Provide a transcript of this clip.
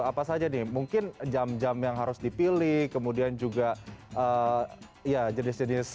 apa saja nih mungkin jam jam yang harus dipilih kemudian juga ya jenis jenis